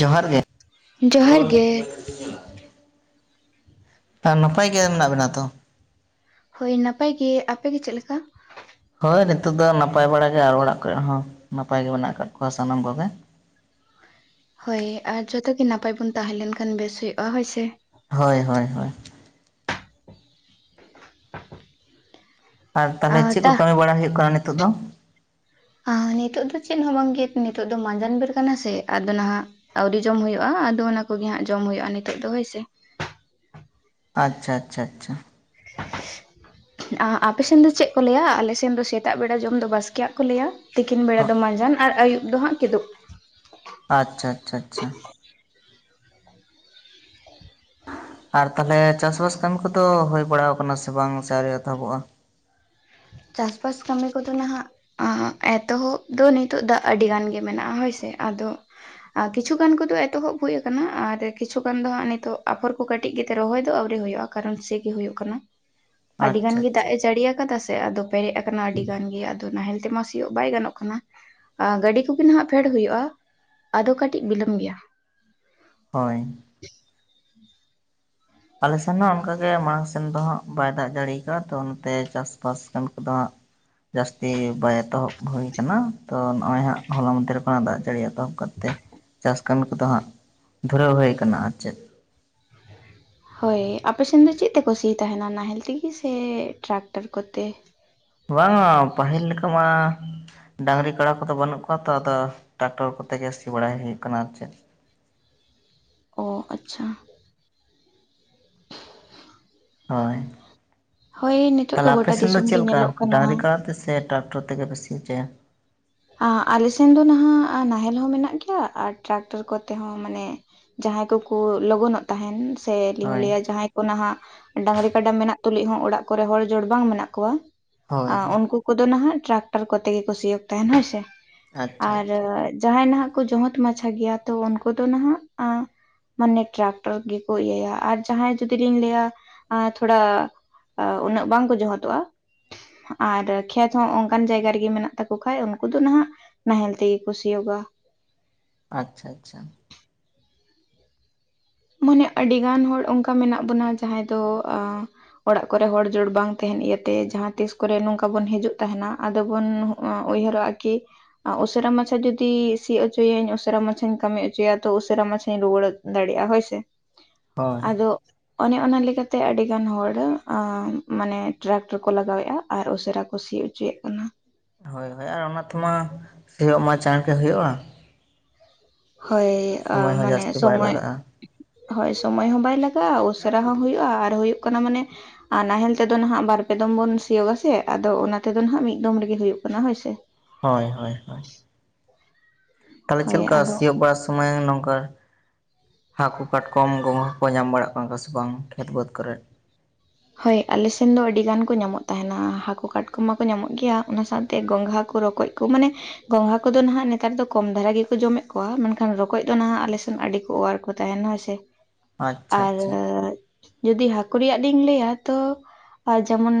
ᱡᱚᱸᱦᱟᱨ ᱜᱮ᱾ ᱡᱚᱦᱟᱨ ᱜᱮ ᱟᱨ ᱱᱟᱯᱟᱭ ᱜᱮ ᱢᱮᱱᱟᱜ ᱵᱮᱱᱟ ᱛᱚ? ᱦᱳᱭ ᱱᱟᱯᱟᱭ ᱜᱮ, ᱟᱯᱮ ᱜᱮ ᱪᱮᱫ ᱞᱮᱠᱟ? ᱦᱳᱭ ᱱᱤᱛᱳᱜ ᱫᱚ ᱱᱟᱯᱟᱭ ᱵᱟᱲᱟ ᱜᱮ, ᱟᱨ ᱚᱲᱟᱜ ᱠᱚᱨᱮ ᱦᱚᱸ ᱱᱟᱯᱟᱭ ᱜᱮ ᱢᱮᱱᱟᱜ ᱟᱠᱟᱫ ᱠᱚᱣᱟ ᱥᱟᱱᱟᱢ ᱠᱚᱜᱮ᱾ ᱦᱳᱭ ᱟᱨ ᱡᱚᱛᱚ ᱜᱮ ᱱᱟᱯᱟᱭ ᱵᱚᱱ ᱛᱟᱦᱮᱸ ᱞᱮᱱ ᱠᱷᱟᱱ ᱵᱮᱥ ᱦᱩᱭᱩᱜᱼᱟ ᱦᱳᱭ ᱥᱮ᱾ ᱦᱳᱭ ᱦᱳᱭ ᱦᱳᱭ᱾ ᱟᱨ ᱟ ᱛᱟᱦᱚᱞᱮ ᱪᱮᱫ ᱠᱚ ᱛᱟ ᱠᱟᱹᱢᱤ ᱵᱟᱲᱟ ᱦᱩᱭᱩᱜ ᱠᱟᱱᱟ ᱱᱤᱛᱚᱜ ᱫᱚ? ᱱᱤᱛᱚᱜ ᱫᱚ ᱪᱮᱫ ᱦᱚᱸ ᱵᱟᱝ ᱜᱮ ᱱᱤᱛᱚᱜ ᱫᱚ ᱢᱟᱟᱸᱡᱟᱱ ᱵᱮᱨ ᱠᱟᱱᱟ ᱥᱮ, ᱟᱫᱚ ᱱᱟᱦᱟᱜ᱾ ᱟᱹᱣᱨᱤ ᱡᱚᱢ ᱦᱩᱭᱩᱜᱼᱟ ᱟᱫᱚ ᱚᱱᱟ ᱠᱚᱜᱮ ᱦᱟᱸᱜ ᱡᱚᱢ ᱦᱩᱭᱩᱜᱼᱟ ᱱᱤᱛᱚᱜ ᱫᱚ ᱦᱳᱭᱥᱮ᱾ ᱟᱪᱷᱟ ᱟᱪᱷᱟ ᱟᱪᱷᱟ ᱟᱪᱷᱟ ᱾ [inaudible] ᱟᱯᱮ ᱥᱮᱱ ᱫᱚ ᱪᱮᱫ ᱠᱚ ᱞᱟᱹᱭᱟ? ᱟᱞᱮ ᱥᱮᱱ ᱫᱚ ᱥᱮᱛᱟᱜ ᱵᱮᱲᱟ ᱡᱚᱢ ᱫᱚ ᱵᱟᱥᱠᱮᱭᱟᱜ ᱠᱚ ᱞᱟᱹᱭᱟ᱾ ᱛᱤᱠᱤᱱ ᱵᱮᱲᱟ ᱫᱚ ᱢᱟᱸᱡᱟᱱ ᱟᱨ ᱟᱹᱭᱩᱵ ᱫᱚ ᱦᱟᱸᱜ ᱠᱤᱫᱩᱵ᱾ ᱟᱪᱷᱟ ᱟᱪᱷᱟ ᱟᱪᱷᱟ᱾ ᱟᱨ ᱛᱟᱦᱚᱞᱮ ᱪᱟᱥ-ᱵᱟᱥ ᱠᱟᱹᱢᱤ ᱠᱚᱫᱚ ᱦᱩᱭ ᱵᱟᱲᱟᱣ ᱠᱟᱱᱟ ᱥᱮ ᱵᱟᱝ ᱥᱮ ᱟᱹᱣᱨᱤ ᱮᱛᱚᱦᱚᱵᱚᱜᱼᱟ? ᱪᱟᱥ-ᱵᱟᱥ ᱠᱟᱹᱢᱤ ᱠᱚᱫᱚ ᱱᱟᱦᱟᱜ᱾ ᱮᱛᱚᱦᱚᱵ ᱫᱚ ᱱᱤᱛᱚᱜ ᱫᱟᱜ ᱟᱹᱰᱤ ᱜᱟᱱ ᱜᱮ ᱢᱮᱱᱟᱜᱼᱟ ᱦᱳᱭ ᱥᱮ, ᱟᱫᱚ᱾ ᱟᱨ ᱠᱤᱪᱷᱩ ᱜᱟᱱ ᱠᱚᱫᱚ ᱮᱛᱚᱦᱚᱵ ᱦᱩᱭ ᱟᱠᱟᱱᱟ ᱟᱨ ᱠᱤᱪᱷᱩ ᱜᱟᱱ ᱫᱚ ᱦᱟᱸᱜ ᱱᱤᱛᱳᱜ ᱟᱯᱷᱚᱨ ᱠᱚ ᱠᱟᱹᱴᱤᱡ ᱜᱮ ᱛᱮ ᱨᱚᱦᱚᱭ ᱫᱚ ᱟᱹᱣᱨᱤ ᱦᱩᱭᱩᱜᱼᱟ᱾ ᱠᱟᱨᱚᱱ ᱪᱮ ᱜᱮ ᱦᱩᱭᱩᱜ ᱠᱟᱱᱟ, ᱟᱹᱰᱤ ᱜᱟᱱ ᱟᱪᱪᱷᱟ ᱜᱮ ᱫᱟᱜ ᱟᱪᱪᱷᱟ ᱮ ᱡᱟᱹᱲᱤᱭᱟ ᱟᱠᱟᱫᱟ᱾ ᱥᱮ ᱟᱫᱚ ᱯᱮᱨᱮᱡ ᱟᱠᱟᱱᱟ ᱟᱹᱰᱤ ᱜᱟᱱ ᱜᱮ ᱟᱫᱚ ᱱᱟᱦᱮᱞ ᱛᱮᱢᱟ ᱥᱤᱭᱳᱜ ᱵᱟᱭ ᱜᱟᱱᱚᱜ ᱠᱟᱱᱟ᱾ ᱜᱟᱹᱰᱤ ᱠᱚᱜᱮ ᱱᱟᱦᱟᱜ ᱯᱷᱮᱰ ᱦᱩᱭᱩᱜᱼᱟ, ᱟᱫᱚ ᱠᱟᱹᱴᱤᱡ ᱵᱤᱞᱚᱢ ᱜᱮᱭᱟ᱾ ᱦᱳᱭ᱾ ᱟᱞᱮ ᱥᱮᱱ ᱦᱚᱸ ᱚᱱᱠᱟᱜᱮ ᱢᱟᱲᱟᱝ ᱥᱮᱱ ᱫᱚ ᱦᱟᱜ ᱵᱟᱭ ᱫᱟᱜ ᱡᱟᱲᱤᱠᱟᱜᱼᱟ ᱛᱚ ᱚᱱᱟᱛᱮ ᱪᱟᱥᱵᱟᱥ ᱠᱟᱱ ᱠᱚᱫᱚ ᱦᱟᱸᱜ᱾ ᱡᱟᱹᱥᱛᱤ ᱵᱟᱭ ᱮᱛᱚᱦᱚᱵ ᱦᱩᱭ ᱟᱠᱟᱱᱟ ᱛᱚ ᱱᱚᱜᱚᱭ ᱦᱟᱸᱜ ᱦᱚᱞᱟ ᱢᱚᱫᱽᱫᱷᱮ ᱨᱮ ᱠᱷᱚᱱᱟᱜ ᱫᱟᱜ ᱡᱟᱹᱲᱤᱭᱟᱜ᱾ ᱮᱛᱚᱵ ᱠᱟᱛᱮ ᱪᱟᱥ ᱠᱟᱹᱢᱤ ᱠᱚᱫᱚ ᱦᱟᱸᱜ ᱫᱷᱩᱨᱟᱹᱣ ᱦᱩᱭ ᱟᱠᱟᱱᱟ ᱟᱨ ᱪᱮᱫ᱾ ᱦᱳᱭ ᱟᱞᱮᱥᱮᱱ ᱫᱚ ᱪᱮᱫ ᱛᱮᱠᱚ ᱥᱤ ᱛᱟᱦᱮᱱᱟ ᱱᱟᱦᱮᱞ ᱛᱮᱜᱮ ᱥᱮ ᱴᱨᱟᱠᱴᱟᱨ ᱠᱚᱛᱮ? ᱵᱟᱝᱟ ᱯᱟᱹᱦᱤᱞ ᱞᱮᱠᱟ ᱢᱟ᱾ ᱰᱟᱝᱨᱤ ᱠᱟᱰᱟ ᱠᱚᱫᱚ ᱵᱟᱹᱱᱩᱜ ᱠᱚᱣᱟ ᱛᱚ ᱟᱫᱚ ᱴᱨᱟᱠᱴᱚᱨ ᱠᱚᱛᱮ ᱜᱮ ᱥᱤ ᱵᱟᱲᱟᱭ ᱦᱩᱭᱩᱜ ᱠᱟᱱᱟ ᱟᱨ ᱪᱮᱫ᱾ ᱚ ᱟᱪᱷᱟ᱾ ᱦᱳᱭ ᱦᱳᱭ ᱱᱤᱛᱚᱜ ᱛᱟᱦᱚᱞᱮ ᱜᱚᱴᱟ ᱟᱯᱮᱥᱮᱱ ᱫᱚ ᱫᱤᱥᱚᱢ ᱜᱮ ᱪᱮᱫ ᱞᱮᱠᱟ ᱧᱮᱞᱚᱜ ᱠᱟᱱᱟ ᱰᱟᱝᱨᱤ ᱠᱟᱰᱟ ᱛᱮ ᱥᱮ ᱴᱨᱟᱠᱴᱚᱨ? ᱛᱮᱜᱮ ᱯᱮ ᱥᱤᱭ ᱦᱚᱪᱚᱭᱟ? ᱟᱞᱮ ᱥᱮᱱ ᱫᱚ ᱱᱟᱦᱟᱜ ᱱᱟᱦᱮᱞ ᱦᱚᱸ ᱢᱮᱱᱟᱜ ᱜᱮᱭᱟ ᱟᱨ ᱴᱨᱟᱠᱴᱟᱨ ᱠᱚᱛᱮ ᱦᱚᱸ ᱢᱟᱱᱮ᱾ ᱡᱟᱦᱟᱭ ᱠᱚᱠᱚ ᱞᱚᱜᱚᱱᱚᱜ ᱛᱟᱦᱮᱱ ᱥᱮᱞᱤᱧ ᱦᱳᱭ ᱞᱟᱹᱭᱟ᱾ ᱱᱟᱦᱟᱜ ᱰᱟᱝᱨᱤ ᱠᱟᱰᱟ ᱢᱮᱱᱟᱜ ᱛᱩᱞᱩᱡ ᱦᱚᱸ ᱚᱲᱟᱜ ᱠᱚᱨᱮ ᱦᱚᱲ ᱡᱚᱲ ᱵᱟᱝ ᱢᱮᱱᱟᱜ ᱠᱚᱣᱟ ᱦᱳᱭ ᱟᱨ ᱩᱱᱠᱩ᱾ ᱩᱱᱫᱚ ᱱᱟᱦᱟᱜ ᱴᱨᱟᱠᱴᱟᱨ ᱠᱚᱛᱮ ᱜᱮᱠᱚ ᱥᱤᱭᱳᱜ ᱛᱟᱦᱮᱱ ᱦᱳᱭᱥᱮ ᱟᱪᱪᱷᱟ ᱟᱨ ᱟᱪᱪᱷᱟ ᱡᱟᱦᱟᱸᱭ ᱱᱟᱦᱟᱜ᱾ ᱠᱚ ᱡᱚᱦᱚᱛ ᱢᱟᱪᱷᱟ ᱜᱮᱭᱟ ᱛᱚ ᱩᱱᱠᱩ ᱫᱚ ᱱᱟᱦᱟᱜ᱾ ᱢᱟᱱᱮ ᱴᱨᱟᱠᱴᱚᱨ ᱜᱮᱠᱚ ᱤᱭᱟᱹᱭᱟ ᱟᱨ ᱡᱟᱦᱟᱸᱭ ᱡᱚᱫᱤ ᱞᱤᱧ ᱞᱟᱹᱭᱟ ᱛᱷᱚᱲᱟ᱾ ᱩᱱᱟᱹᱜ ᱵᱟᱝ ᱠᱚ ᱡᱚᱦᱚᱫᱚᱜᱼᱟ ᱟᱨ ᱠᱷᱮᱛ ᱦᱚᱸ ᱚᱱᱠᱟᱱ ᱡᱟᱭᱜᱟ ᱨᱮᱜᱮ ᱢᱮᱱᱟᱜ ᱛᱟᱠᱚ᱾ ᱠᱷᱟᱱ ᱩᱱᱠᱩ ᱫᱚ ᱱᱟᱦᱟᱜ ᱱᱟᱦᱮᱞ ᱛᱮᱜᱮ ᱠᱚ ᱥᱤᱭᱳᱜᱟ᱾ ᱟᱪᱷᱟ ᱟᱪᱷᱟ᱾ ᱢᱟᱱᱮ ᱟᱹᱰᱤᱜᱟᱱ ᱦᱚᱲ ᱚᱱᱠᱟ ᱢᱮᱱᱟᱜ ᱵᱚᱱᱟ ᱡᱟᱦᱟᱸᱭ ᱫᱚ᱾ ᱚᱲᱟᱜ ᱠᱚᱨᱮ ᱦᱚᱲ ᱡᱳᱲ ᱵᱟᱝ ᱛᱟᱦᱮᱱ ᱤᱭᱟᱹᱛᱮ ᱡᱟᱦᱟᱸ ᱛᱤᱥ ᱠᱚᱨᱮ ᱱᱚᱝᱠᱟ ᱵᱚᱱ ᱦᱤᱡᱩᱜ ᱛᱟᱦᱮᱱᱟ ᱟᱫᱚ ᱵᱚᱱ᱾ ᱚ ᱩᱭᱦᱟᱨᱚᱜ-ᱟ ᱠᱤ? ᱩᱥᱟᱹᱨᱟ ᱢᱟᱪᱷᱟ ᱡᱩᱫᱤ ᱥᱤᱭᱚᱜ ᱦᱚᱪᱚᱭᱟᱹᱧ ᱩᱥᱟᱹᱨᱟ ᱢᱟᱪᱷᱟᱧ ᱠᱟᱹᱢᱤ ᱦᱚᱪᱚᱭᱟ ᱛᱚ ᱩᱥᱟᱹᱨᱟ ᱢᱟᱪᱷᱟᱧ ᱨᱩᱣᱟᱹᱲ ᱫᱟᱲᱮᱭᱟᱜ-ᱟ ᱦᱳᱭ ᱥᱮ ᱦᱳᱭ ᱟᱫᱚ ᱚᱱᱮ ᱚᱱᱟ ᱞᱮᱠᱟᱛᱮ ᱟᱹᱰᱤ ᱜᱟᱱ ᱦᱚᱲ ᱢᱟᱱᱮ ᱴᱨᱟᱠᱴᱟᱨ ᱠᱚ ᱞᱟᱜᱟᱣᱮᱫ-ᱟ ᱟᱨ ᱩᱥᱟᱹᱨᱟ ᱠᱚ ᱥᱤᱭᱚᱜ ᱪᱚᱭᱮᱫ ᱠᱟᱱᱟ ᱾ ᱦᱳᱭ ᱦᱳᱭ ᱟᱨ ᱚᱱᱟ ᱛᱮᱢᱟ ᱥᱮᱭᱚᱜ ᱢᱟ ᱪᱟᱬᱜᱮ ᱦᱩᱭᱩᱜ-ᱟ᱾ ᱦᱳᱭ ᱟ ᱥᱚᱢᱚᱭ ᱦᱚᱸ ᱢᱟᱱᱮ ᱡᱟᱹᱥᱛᱤ ᱵᱟᱭ ᱥᱚᱢᱚᱭ ᱞᱟᱜᱟᱜᱼᱟ ᱦᱳᱭ ᱥᱚᱢᱚᱭ ᱦᱚᱸ ᱵᱟᱭ ᱞᱟᱜᱟᱜ-ᱟ ᱩᱥᱟᱹᱨᱟ ᱦᱚᱸ ᱦᱩᱭᱩᱜ-ᱟ ᱟᱨ ᱦᱩᱭᱩᱜ ᱠᱟᱱᱟ ᱢᱟᱱᱮ ᱟᱨ ᱱᱟᱦᱮᱞ ᱛᱮᱫᱚ ᱱᱟᱦᱟᱸᱜ ᱵᱟᱨᱯᱮ ᱫᱚᱢ ᱵᱚᱱ ᱥᱤᱭᱳᱜ ᱥᱮ ᱟᱫᱚ ᱚᱱᱟ ᱛᱮᱫᱚ ᱱᱟᱦᱟᱸᱜ ᱢᱤᱫ ᱫᱚᱢ ᱨᱮᱜᱮ ᱦᱩᱭᱩᱜ ᱠᱟᱱᱟ ᱦᱳᱭ ᱥᱮ᱾ ᱦᱳᱭ ᱦᱳᱭ ᱦᱳᱭ ᱾ ᱛᱟᱦᱚᱞᱮ ᱪᱮᱫ ᱦᱳᱭ ᱞᱮᱠᱟ ᱟᱫᱚ ᱥᱤᱭᱳᱜ ᱵᱟᱲᱟ ᱥᱚᱢᱚᱭ ᱱᱚᱝᱠᱟ ᱦᱟᱹᱠᱩ ᱠᱟᱴᱠᱚᱢ ᱜᱚᱸᱜᱟ ᱠᱚ ᱧᱟᱢ ᱵᱟᱲᱟᱜ ᱠᱟᱱᱟ ᱠᱚ ᱥᱮ ᱵᱟᱝ ᱠᱷᱮᱛ ᱵᱟᱹᱫᱽ ᱠᱚᱨᱮ? ᱦᱳᱭ ᱟᱞᱮ ᱥᱮᱱ ᱫᱚ ᱟᱹᱰᱤ ᱜᱟᱱ ᱠᱚ ᱧᱟᱢᱚᱜ ᱛᱟᱦᱮᱱᱟ ᱦᱟᱹᱠᱩ ᱠᱟᱴᱠᱚᱢ ᱢᱟ ᱠᱚ ᱧᱟᱢᱚᱜ ᱜᱮᱭᱟ ᱚᱱᱟ ᱥᱟᱶᱛᱮ ᱜᱚᱸᱜᱟ ᱠᱚ ᱨᱚᱠᱚᱡ ᱠᱚ ᱢᱟᱱᱮ ᱜᱚᱸᱜᱟ ᱠᱚᱫᱚ ᱱᱟᱦᱟᱸᱜ ᱱᱮᱛᱟᱨ ᱫᱚ ᱠᱚᱢ ᱫᱷᱟᱨᱟ ᱜᱮᱠᱚ ᱡᱚᱢᱮᱫ ᱠᱚᱣᱟ ᱢᱮᱱᱠᱷᱟᱱ ᱨᱚᱠᱚᱡ ᱫᱚ ᱱᱟᱦᱟᱸᱜ ᱟᱞᱮ ᱥᱮᱱ ᱟᱹᱰᱤ ᱠᱚ ᱚᱣᱟᱨ ᱠᱚ ᱛᱟᱦᱮᱱ ᱦᱳᱭᱥᱮ ᱟᱪᱪᱷᱟ ᱟᱨ ᱟᱪᱪᱷᱟ ᱡᱚᱫᱤ ᱦᱟᱹᱠᱩ ᱨᱮᱭᱟᱜ ᱞᱤᱧ ᱞᱟᱹᱭᱟ ᱛᱚ ᱟᱨ ᱡᱮᱢᱚᱱ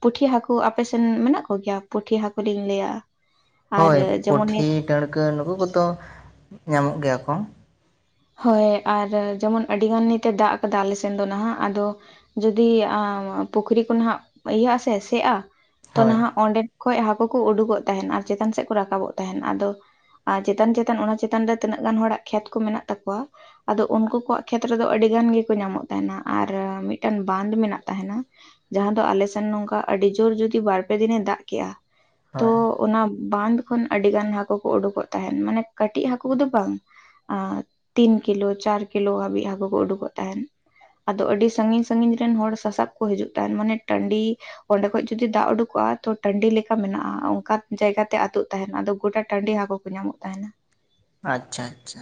ᱯᱩᱴᱷᱤ ᱦᱟᱹᱠᱩ ᱟᱯᱮ ᱥᱮᱱ ᱢᱮᱱᱟᱜ ᱠᱚᱜᱮᱭᱟ ᱯᱩᱴᱷᱤ ᱦᱟᱹᱠᱩ ᱞᱤᱧ ᱞᱟᱹᱭᱟ? [unintelligible] ᱦᱳᱭ ᱡᱮᱢᱚᱱ ᱯᱩᱴᱷᱤ ᱰᱟᱹᱲᱠᱟᱹ ᱱᱩᱠᱩ ᱠᱚᱫᱚ ᱧᱟᱢᱚᱜ ᱜᱮᱭᱟ ᱠᱚ᱾ ᱦᱳᱭ ᱟᱨ ᱡᱮᱢᱚᱱ ᱟᱹᱰᱤᱜᱟᱱ ᱱᱤᱛᱛᱮ ᱫᱟᱜ ᱟᱠᱟᱫᱟ ᱟᱞᱮ ᱥᱮᱱ ᱫᱚ ᱱᱟᱦᱟᱸᱜ ᱟᱫᱚ ᱡᱚᱫᱤ ᱯᱩᱠᱷᱨᱤ ᱠᱚ ᱱᱟᱦᱟᱸᱜ ᱤᱭᱟᱹᱜ ᱟᱥᱮ ᱥᱮᱜ-ᱟ ᱛᱚ ᱦᱳᱭ ᱱᱟᱦᱟᱸᱜ ᱚᱸᱰᱮ ᱠᱷᱚᱡ ᱦᱟᱹᱠᱩ ᱠᱚ ᱩᱰᱩᱠᱚᱜ ᱛᱟᱦᱮᱱ ᱟᱨ ᱪᱮᱛᱟᱱ ᱥᱮᱫ ᱠᱚ ᱨᱟᱠᱟᱵᱚᱜ ᱛᱟᱦᱮᱸᱱ ᱟᱫᱚ ᱟᱨ ᱪᱮᱛᱟᱱ ᱪᱮᱛᱟᱱ ᱚᱱᱟ ᱪᱮᱛᱟᱱ ᱨᱮ ᱛᱤᱱᱟᱹᱜ ᱜᱟᱱ ᱦᱚᱲᱟᱜ ᱠᱷᱮᱛ ᱠᱚ ᱢᱮᱱᱟᱜ ᱛᱟᱠᱚᱣᱟ ᱟᱫᱚ ᱩᱱᱠᱩ ᱠᱚᱣᱟᱜ ᱠᱷᱮᱛ ᱨᱮᱫᱚ ᱟᱹᱰᱤ ᱜᱟᱱ ᱜᱮᱠᱚ ᱧᱟᱢᱚᱜ ᱛᱟᱦᱮᱱᱟ ᱟᱨ ᱢᱤᱫᱴᱟᱱ ᱵᱟᱸᱫᱷ ᱢᱮᱱᱟᱜ ᱛᱟᱦᱮᱱᱟ᱾ ᱡᱟᱦᱟᱸ ᱫᱚ ᱟᱞᱮ ᱥᱮᱱ ᱱᱚᱝᱠᱟ ᱟᱹᱰᱤ ᱡᱳᱨ ᱡᱚᱫᱤ ᱵᱟᱨᱯᱮ ᱫᱤᱱᱮ ᱫᱟᱜ ᱠᱮᱜ-ᱟ ᱛᱚ ᱦᱳᱭ ᱚᱱᱟ ᱵᱟᱸᱫᱷ ᱠᱷᱚᱱ ᱟᱹᱰᱤ ᱜᱟᱱ ᱦᱟᱹᱠᱩ ᱠᱚ ᱩᱰᱩᱠᱚᱜ ᱛᱟᱦᱮᱱ ᱢᱟᱱᱮ ᱠᱟᱹᱴᱤᱡ ᱦᱟᱹᱠᱩ ᱫᱚ ᱵᱟᱝ᱾ ᱮ ᱛᱤᱱ ᱠᱤᱞᱳ ᱪᱟᱨ ᱠᱤᱞᱳ ᱦᱟᱹᱵᱤᱡ ᱦᱟᱹᱠᱩ ᱠᱚ ᱩᱰᱩᱠᱚᱜ ᱛᱟᱦᱮᱱ ᱾ ᱟᱫᱚ ᱟᱹᱰᱤ ᱥᱟᱺᱜᱤᱧ ᱥᱟᱺᱜᱤᱧ ᱨᱮᱱ ᱦᱚᱲ ᱥᱟᱥᱟᱵ ᱠᱚ ᱦᱤᱡᱩᱜ ᱛᱟᱦᱮᱸᱱ ᱢᱟᱱᱮ ᱴᱟᱺᱰᱤ ᱚᱸᱰᱮ ᱠᱷᱚᱡ ᱡᱩᱫᱤ ᱫᱟᱜ ᱩᱰᱩᱠᱚᱜ-ᱟ ᱛᱚ ᱴᱟᱺᱰᱤ ᱞᱮᱠᱟ ᱢᱮᱱᱟᱜ-ᱟ ᱚᱱᱠᱟ ᱡᱟᱭᱜᱟᱛᱮ ᱟᱹᱛᱩᱜ ᱛᱟᱦᱮᱱᱟ ᱟᱫᱚ ᱜᱚᱴᱟ ᱴᱟᱺᱰᱤ ᱦᱟᱹᱠᱩ ᱠᱚ ᱧᱟᱢᱚᱜ ᱛᱟᱦᱮᱱᱟ ᱾ ᱟᱪᱪᱷᱟ ᱟᱪᱪᱷᱟ᱾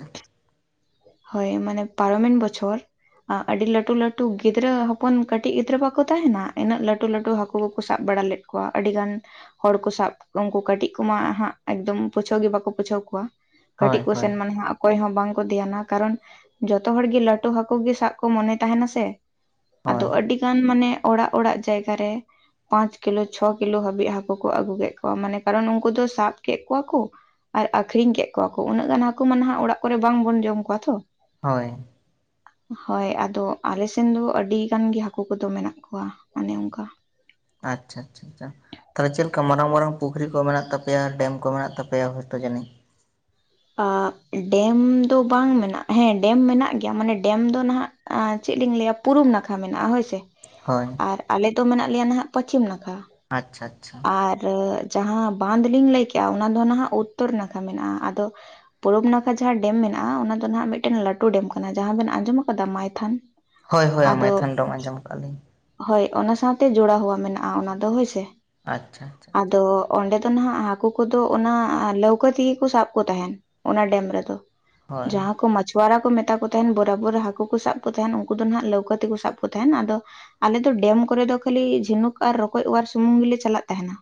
ᱦᱳᱭ ᱢᱟᱱᱮ ᱯᱟᱨᱚᱢᱮᱱ ᱵᱚᱪᱷᱚᱨ ᱟᱹᱰᱤ ᱞᱟᱹᱴᱩ ᱞᱟᱹᱴᱩ ᱜᱤᱫᱽᱨᱟᱹ ᱦᱚᱯᱚᱱ ᱠᱟᱹᱴᱤᱡ ᱜᱤᱫᱽᱨᱟᱹ ᱵᱟᱠᱚ ᱛᱟᱦᱮᱱᱟ ᱤᱱᱟᱹᱜ ᱞᱴᱩ ᱞᱟᱹᱴᱩ ᱦᱟᱠᱩ ᱠᱚᱠᱚ ᱥᱟᱵ ᱵᱟᱲᱟ ᱞᱮᱫ ᱠᱚᱣᱟ ᱟᱹᱰᱤ ᱜᱟᱱ ᱦᱚᱲ ᱠᱚ ᱥᱟᱵᱣᱟ ᱩᱱᱠᱩ ᱠᱟᱹᱴᱤᱡ ᱠᱚᱢᱟ ᱦᱟᱸᱜ ᱮᱠᱫᱚᱢ ᱯᱩᱪᱷᱟᱹᱣ ᱜᱮ ᱵᱟᱠᱚ ᱯᱩᱪᱷᱟᱹᱣ ᱠᱚᱣᱟ᱾ ᱦᱳᱭ ᱠᱟᱹᱴᱤᱡ ᱠᱚ ᱦᱳᱭ ᱥᱮᱱ ᱢᱟᱱᱮᱟᱸᱜ ᱚᱠᱚᱭ ᱦᱚᱸ ᱵᱟᱝᱠᱚ ᱫᱷᱮᱭᱟᱱᱟ ᱠᱟᱨᱚᱱ ᱡᱚᱛᱚ ᱦᱚᱲ ᱜᱮ ᱞᱟᱹᱴᱩ ᱦᱟᱹᱠᱩ ᱜᱮ ᱥᱟᱵ ᱠᱚ ᱢᱚᱱᱮ ᱛᱟᱦᱮᱱᱟ ᱥᱮ ᱟᱫᱚ ᱦᱳᱭ ᱟᱹᱰᱤ ᱜᱟᱱ ᱢᱟᱱᱮ ᱚᱲᱟᱜ ᱚᱲᱟᱜ ᱡᱟᱭᱜᱟ ᱨᱮ ᱯᱟᱸᱪ ᱠᱤᱞᱳ ᱪᱷᱚ ᱠᱤᱞᱳ ᱦᱟᱹᱵᱤᱡ ᱦᱟᱹᱠᱩ ᱠᱚ ᱟᱹᱜᱩ ᱠᱮᱫ ᱠᱚᱣᱟ ᱢᱟᱱᱮ ᱠᱟᱨᱚᱱ ᱩᱱᱠᱩ ᱫᱚ ᱥᱟᱵ ᱠᱮᱫ ᱠᱚᱣᱟ ᱠᱚ᱾ ᱟᱨ ᱟᱠᱷᱨᱤᱧ ᱠᱮᱫ ᱠᱚᱣᱟ ᱠᱚ ᱩᱱᱟᱹᱜ ᱜᱟᱱ ᱦᱟᱹᱠᱩ ᱢᱟ ᱱᱟᱦᱟᱸᱜ ᱚᱲᱟᱜ ᱠᱚᱨᱮ ᱵᱟᱝᱵᱚᱱ ᱡᱚᱢ ᱠᱚᱣᱟ ᱛᱚ᱾ ᱦᱳᱭ, [unintelligible] ᱦᱳᱭ ᱟᱫᱚ ᱟᱞᱮ ᱥᱮᱱ ᱫᱚ ᱟᱹᱰᱤ ᱜᱟᱱ ᱜᱮ ᱦᱟᱹᱠᱩ ᱠᱚᱫᱚ ᱢᱮᱱᱟᱜ ᱠᱚᱣᱟ ᱚᱱᱮ ᱚᱱᱠᱟ᱾ ᱟᱪᱪᱷᱟ ᱟᱪᱪᱷᱟ ᱪᱪᱷᱟ᱾ ᱛᱟᱦᱚᱞᱮ ᱪᱮᱫ ᱞᱮᱠᱟ ᱢᱟᱨᱟᱝ ᱢᱟᱨᱟᱝ ᱯᱩᱠᱷᱨᱤ ᱠᱚ ᱢᱮᱱᱟᱜ ᱛᱟᱯᱮᱭᱟ ᱰᱮᱢ ᱠᱚ ᱢᱮᱱᱟᱜ ᱛᱟᱯᱭᱟ ᱦᱳᱭᱛᱳ ᱡᱟᱹᱱᱤᱡ᱾ ᱰᱮᱢ ᱫᱚ ᱵᱟᱝ ᱢᱮᱱᱟᱜ-ᱟ ᱦᱮᱸ ᱰᱮᱢ ᱢᱮᱱᱟᱜ ᱜᱮᱭᱟ ᱢᱟᱱᱮ ᱰᱮᱢ ᱫᱚ ᱱᱟᱦᱟᱸᱜ ᱪᱮᱫ ᱞᱤᱧ ᱞᱟᱹᱭᱟ ᱯᱩᱨᱩᱢ ᱱᱟᱠᱷᱟ ᱢᱮᱱᱟᱜ-ᱟ ᱦᱳᱭ ᱥᱮ ᱦᱳᱭ᱾ ᱟᱨ ᱟᱞᱮᱚ ᱢᱮᱱᱟᱜ ᱞᱮᱭᱟ, ᱱᱟᱦᱟᱜ ᱯᱚᱪᱷᱤᱢ ᱱᱟᱠᱷᱟ᱾ ᱟᱪᱪᱷᱟ, ᱟᱪᱪᱷᱟ᱾ ᱟᱨ ᱡᱟᱦᱟᱸ ᱵᱟᱸᱫ ᱞᱤᱧ ᱞᱟᱹᱭ ᱠᱮᱜᱼᱟ, ᱚᱱᱟ ᱫᱚ ᱱᱟᱦᱟᱜ ᱩᱛᱛᱚᱨ ᱱᱟᱠᱷᱟ ᱢᱮᱱᱟᱜᱼᱟ᱾ ᱟᱫᱚ ᱯᱩᱨᱩᱵ ᱱᱟᱠᱷᱟ ᱡᱟᱦᱟᱸ ᱰᱮᱢ ᱢᱮᱱᱟᱜᱼᱟ, ᱚᱱᱟ ᱫᱚ ᱟᱜ ᱢᱤᱫᱴᱟᱝ ᱞᱟᱟᱹᱴᱩ ᱰᱮᱢ ᱠᱟᱱᱟ, ᱡᱟᱦᱟᱸ ᱵᱮᱱ ᱟᱸᱡᱚᱢ ᱠᱟᱫᱟ ᱢᱟᱭᱛᱷᱟᱱ᱾ ᱦᱳᱭ, ᱦᱳᱭ ᱟᱫᱚ ᱢᱟᱭᱛᱷᱚᱱ ᱰᱮᱢ ᱟᱸᱡᱚᱢ ᱠᱟᱜ ᱟᱞᱤᱧ᱾ ᱦᱳᱭ ᱚᱱᱟ ᱥᱟᱶᱛᱮ ᱡᱚᱲᱟ ᱦᱩᱣᱟ ᱢᱮᱱᱟᱜᱼᱟ, ᱚᱱᱟ ᱫᱚ ᱦᱳᱭᱥᱮ᱾ ᱟᱪᱪᱷᱟ, ᱟᱪᱪᱷᱟ᱾ ᱟᱫᱚ ᱚᱸᱰᱮ ᱫᱚ ᱱᱟᱦᱟᱜ ᱦᱟᱹᱠᱳ ᱠᱚᱫᱚ, ᱚᱱᱟ ᱞᱟᱹᱣᱠᱟᱹ ᱛᱮᱜᱮ ᱠᱚ, ᱥᱟᱵᱠᱚ ᱛᱟᱦᱮᱱ᱾ ᱚᱱᱟ ᱰᱮᱢ ᱨᱮᱫᱚ, ᱦᱳᱭ ᱡᱟᱦᱟᱸ ᱠᱚ ᱢᱟᱪ ᱡᱚᱣᱟᱨᱟ ᱠᱚ ᱢᱮᱛᱟ ᱠᱚ ᱛᱟᱦᱮᱱ, ᱵᱚᱨᱟᱵᱚᱨ ᱦᱟᱹᱠᱳ ᱠᱚ ᱥᱟᱵ ᱠᱚ ᱛᱟᱦᱮᱱ, ᱩᱱᱠᱩ ᱫᱚ ᱦᱟᱸᱜ ᱞᱟᱹᱣᱠᱟᱹ ᱛᱮᱠᱚ ᱥᱟᱵ ᱠᱚ ᱛᱟᱦᱮᱱ᱾ ᱟᱫᱚ ᱟᱞᱮ ᱫᱚ ᱰᱮᱢ ᱠᱚᱨᱮ ᱫᱚ ᱠᱷᱟᱹᱞᱤ, ᱡᱷᱤᱱᱩᱠ ᱟᱨ ᱨᱚᱠᱚᱡ ᱚᱣᱟᱨ ᱥᱩᱢᱩᱝ ᱜᱮᱞᱮ ᱪᱟᱞ ᱪᱟᱞᱟᱜ ᱛᱟᱦᱮᱱᱟ᱾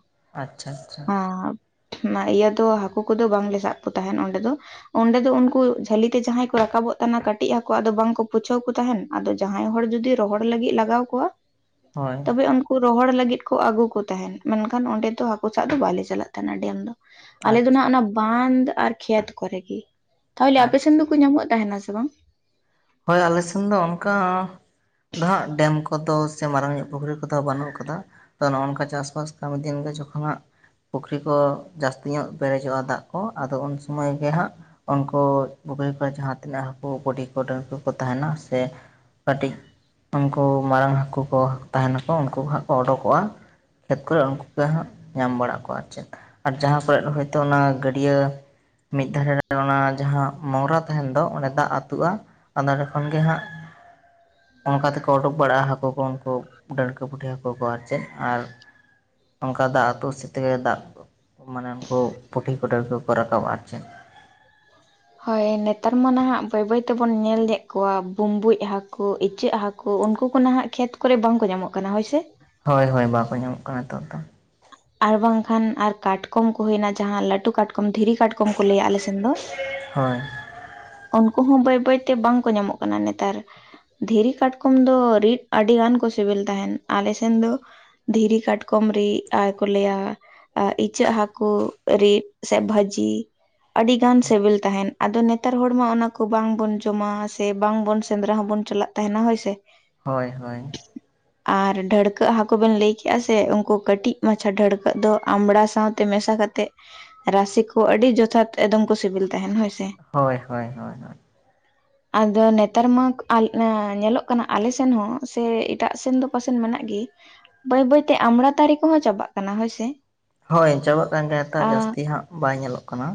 ᱟᱪᱪᱷᱟ ᱟᱪᱪᱷᱟ ᱟᱸ ᱚᱱᱟ ᱤᱭᱟᱹ ᱫᱚ ᱦᱟᱹᱠᱳ ᱠᱚᱫᱚ, ᱵᱟᱝᱞᱮ ᱥᱟᱵ ᱠᱚ ᱛᱟᱦᱮᱱ ᱚᱸᱰᱮ ᱫᱚ᱾ ᱚᱸᱰᱮ ᱫᱚ ᱩᱱᱠᱩ ᱡᱷᱟᱹᱞᱤᱛᱮ ᱡᱟᱦᱟᱸᱭ ᱠᱚ, ᱨᱟᱠᱟᱵᱚᱜ ᱠᱟᱱᱟ ᱠᱟᱹᱴᱤᱡ ᱦᱟᱹᱠᱩᱫᱚ ᱵᱟᱝᱠᱩ ᱯᱩᱪᱷᱟᱹᱣ ᱠᱚ ᱛᱟᱦᱮᱱ᱾ ᱟᱫᱚ ᱡᱟᱦᱟᱸᱭ ᱦᱚᱲ ᱡᱩᱫᱤ ᱨᱚᱦᱚᱲ ᱞᱟᱹᱜᱤᱫ ᱞᱟᱜᱟᱣ ᱠᱚᱣᱟ, ᱦᱳᱭ ᱛᱚᱵᱮ ᱩᱱᱠᱩ ᱨᱚᱦᱚᱲ ᱞᱟᱹᱜᱤᱫ ᱠᱚ ᱟᱹᱜᱩ ᱠᱚ᱾ ᱛᱟᱦᱮᱱ ᱢᱮᱱᱠᱷᱟᱱ ᱚᱸᱰᱮ ᱫᱚ ᱦᱟᱹᱠᱩ ᱥᱟᱵ ᱫᱚ ᱵᱟᱞᱮ ᱪᱟᱞᱟᱜ ᱛᱟᱦᱮᱱᱟ ᱰᱮᱢ ᱫᱚ ᱟᱞᱮ ᱫᱚ ᱟᱪᱪᱷᱟ ᱱᱟᱜ ᱚᱱᱟ ᱵᱟᱸᱫ ᱟᱨ ᱠᱷᱮᱛ ᱠᱚᱨᱮ ᱜᱮ ᱛᱟᱦᱚᱞᱮ ᱟᱯᱮᱥᱮᱱ ᱟᱪᱪᱷᱟ ᱫᱚᱠᱚ ᱧᱟᱢᱚᱜ ᱛᱟᱦᱮᱱᱟ ᱥᱮ ᱵᱟᱝ? ᱦᱳᱭ ᱟᱞᱮᱥᱮᱱ ᱫᱚ ᱚᱱᱠᱟ ᱫᱚ ᱦᱟᱸᱜ ᱰᱮᱢ ᱠᱚᱫᱚ ᱥᱮ ᱢᱟᱨᱟᱝ ᱧᱚᱜ ᱯᱩᱠᱷᱨᱤ ᱠᱚᱫᱚ ᱵᱟᱹᱱᱩᱜ ᱠᱟᱫᱟ ᱛᱚ ᱱᱚᱜ ᱱᱚᱝᱠᱟ ᱪᱟᱥᱵᱟᱥ ᱠᱟᱹᱢᱤ ᱫᱤᱱ ᱜᱮ ᱡᱚᱠᱷᱚᱱᱟᱜ ᱯᱩᱠᱷᱨᱤ ᱠᱚ ᱡᱟᱹᱥᱛᱤ ᱧᱚᱜ ᱵᱮᱨᱮᱡᱚᱜᱼᱟ ᱫᱟᱜ ᱠᱚ ᱟᱫᱚ ᱩᱱ ᱥᱚᱢᱚᱭ ᱜᱮ ᱦᱟᱸᱜ ᱩᱝᱠᱩ ᱵᱩᱜᱤ ᱠᱚ ᱡᱟᱦᱟᱸᱛᱤᱱᱟᱹᱜ ᱦᱟᱹᱠᱩ ᱜᱩᱰᱤ ᱜᱚᱰᱟ ᱦᱟᱠᱳ ᱠᱚ ᱛᱟᱦᱮᱱᱟ ᱥᱮ ᱠᱟᱹᱴᱤᱡ ᱩᱱᱠᱩ ᱢᱟᱨᱟᱝ ᱦᱟᱠᱳ ᱠᱚ ᱛᱟᱦᱮᱱᱟᱠᱚ ᱩᱱᱠᱩ ᱦᱟᱸᱜ ᱠᱚ ᱚᱰᱳᱠᱚᱜᱼᱟ᱾ ᱠᱷᱮᱛ ᱠᱚᱨᱮ ᱩᱱᱠᱩ ᱠᱚᱦᱟᱸ ᱧᱟᱢ ᱵᱟᱲᱟᱟᱜ ᱠᱚᱣᱟ ᱟᱨ ᱪᱮᱫ᱾ ᱟᱨ ᱡᱟᱦᱟᱸ ᱠᱚᱨᱮᱫ ᱦᱚᱭᱛᱚ ᱚᱱᱟ ᱜᱟᱹᱰᱭᱟᱹ ᱢᱤᱫ ᱫᱷᱟᱨᱮ ᱨᱮ ᱚᱱᱟ ᱡᱟᱦᱟᱸ ᱢᱳᱝᱨᱟ ᱛᱟᱦᱮᱱ ᱫᱚ ᱚᱸᱰᱮ ᱫᱟᱜ ᱟᱹᱛᱩᱜᱼᱟ᱾ ᱟ ᱱᱚᱸᱰᱮ ᱠᱷᱚᱱ ᱜᱮ ᱦᱟᱸᱜ ᱚᱱᱠᱟ ᱛᱮᱠᱚ ᱩᱰᱩᱠ ᱵᱟᱲᱟᱜᱼᱟ ᱦᱟᱹᱠᱩ ᱠᱚ ᱩᱱᱠᱩ ᱰᱟᱹᱲᱠᱟ ᱯᱩᱴᱷᱤ ᱦᱟᱹᱠᱩ ᱠᱚ ᱟᱨ ᱪᱮᱫ ᱟᱨ ᱚᱝᱠᱟ ᱫᱟᱜ ᱟᱹᱛᱩ ᱥᱮᱛᱮᱜ ᱜᱮ ᱫᱟᱜ ᱢᱟᱱᱮ ᱩᱱᱠᱩ ᱯᱩᱴᱷᱤ ᱠᱚᱴᱲ ᱠᱚᱠᱚ ᱨᱟᱠᱟᱵᱟ ᱟᱨ ᱪᱮᱫ ᱦᱳᱭ ᱱᱮᱛᱟᱨ ᱢᱟ ᱱᱟᱦᱟᱜ ᱵᱟᱹᱭ ᱵᱟᱹᱭ ᱛᱮᱵᱚᱱ ᱧᱮᱞ ᱞᱮᱫ ᱠᱚᱣᱟ ᱵᱩᱢᱵᱩᱡ ᱦᱟᱹᱠ ᱤᱪᱟᱹᱜ ᱦᱟᱹᱠᱳ ᱩᱱᱠᱩ ᱠᱚ ᱱᱟᱦᱟᱜ ᱠᱷᱮᱛ ᱠᱚᱨᱮ ᱵᱟᱝᱠᱚ ᱧᱟᱢᱚᱜ ᱠᱟᱱᱟ ᱦᱳᱭᱥᱮ? ᱦᱳᱭ ᱦᱳᱭ ᱵᱟᱠᱚ ᱧᱟᱢᱚᱜ ᱠᱟᱱᱟ ᱱᱤᱛᱚᱜ ᱫᱚ᱾ ᱟᱨ ᱵᱟᱝᱠᱷᱟᱱ ᱟᱨ ᱠᱟᱴᱠᱚᱢ ᱠᱚ ᱦᱩᱭᱱᱟ ᱡᱟᱦᱟᱸ ᱞᱟᱹᱴᱩ ᱠᱟᱴᱠᱚᱢ ᱫᱷᱤᱨᱤ ᱠᱟᱴᱠᱚᱢ ᱠᱚ ᱞᱟᱹᱭᱟ ᱟᱞᱮᱥᱮᱱ ᱫᱚ᱾ ᱦᱳᱭ᱾ ᱩᱱᱠᱩ ᱦᱚᱸ ᱵᱟᱹᱭ ᱵᱟᱹᱭ ᱛᱮ ᱵᱟᱝᱠᱚ ᱧᱟᱢᱚᱜ ᱠᱟᱱᱟ ᱱᱮᱛᱟᱨ᱾ ᱫᱷᱤᱨᱤ ᱠᱟᱴᱠᱚᱢ ᱫᱚ ᱨᱤᱫᱽ ᱟᱹᱰᱤ ᱜᱟᱱ ᱠᱚ ᱥᱤᱵᱤᱞ ᱛᱟᱦᱮᱱ ᱟᱞᱮ ᱥᱮᱱ ᱫᱚ ᱫᱷᱤᱨᱤ ᱠᱟᱴᱠᱚᱢ ᱨᱤᱜ ᱟᱨ ᱠᱚ ᱞᱟᱹᱭᱟ ᱟ ᱤᱪᱟᱹᱜ ᱦᱟᱠᱳ ᱨᱤᱫᱽ ᱥᱮ ᱵᱷᱟᱹᱡᱤ ᱟᱹᱰᱤ ᱜᱟᱱ ᱥᱮᱵᱮᱞ ᱛᱟᱦᱮᱱ ᱟᱫᱚ ᱱᱮᱛ ᱱᱮᱛᱟᱨ ᱦᱚᱲ ᱢᱟ ᱚᱱᱟ ᱠᱚ ᱵᱟᱝᱵᱚᱱ ᱡᱚᱢᱟ ᱥᱮ ᱵᱟᱝ ᱵᱚᱱ ᱥᱮᱸᱫᱽᱨᱟ ᱦᱚᱸᱵᱚᱱ ᱪᱟᱞᱟᱜ ᱛᱟᱦᱮᱱᱟ ᱦᱳᱭᱥᱮ᱾ ᱦᱳᱭ ᱦᱳᱭ᱾ [unintelligible] ᱟᱨ ᱰᱷᱟᱹᱲᱠᱟᱹᱜ ᱦᱟᱠᱳ ᱵᱮᱱ ᱞᱟᱹᱭ ᱠᱮᱜᱼᱟ ᱥᱮ ᱩᱱᱠᱩ ᱠᱟᱹᱴᱤᱡ ᱢᱟᱪᱷᱟ ᱰᱷᱟᱹᱲᱠᱟᱹᱜ ᱫᱚ ᱟᱢᱲᱟ ᱥᱟᱶ ᱛᱮ ᱢᱮᱥᱟ ᱠᱟᱛᱮᱜ ᱨᱟᱥᱮ ᱠᱚ ᱟᱹᱰᱤ ᱡᱚᱛᱷᱟᱛ ᱮᱠᱫᱚᱢ ᱠᱚ ᱥᱤᱵᱤᱞ ᱛᱟᱦᱮᱱ ᱦᱳᱭ ᱥᱮ᱾ ᱦᱳᱭ ᱦᱳᱭ ᱦᱳᱭ, ᱟᱫᱚ ᱱᱮᱛᱟᱨ ᱢᱟ ᱧᱮᱞᱚᱜ ᱠᱟᱱᱟ ᱟᱞᱮ ᱥᱮᱱ ᱦᱚᱸ ᱥᱮ ᱮᱴᱟᱜ ᱥᱮᱱ ᱫᱚ ᱯᱟᱥᱮᱡ ᱢᱮᱱᱟᱜ ᱜᱮ, ᱵᱟᱹᱭ ᱵᱟᱹᱭᱛᱮ ᱟᱢᱲᱟᱛᱟᱨᱤ ᱠᱚᱦᱚᱸ ᱪᱟᱵᱟᱜ ᱠᱟᱱᱟ ᱦᱳᱭᱥᱮ᱾ ᱦᱳᱭ ᱪᱟᱵᱟᱜ ᱠᱟᱱ ᱜᱮᱭᱟ ᱛᱚ ᱟ ᱡᱟᱹᱥᱛᱤ ᱦᱟᱸᱜ ᱵᱟᱭ ᱧᱮᱞᱚᱜ ᱠᱟᱱᱟ᱾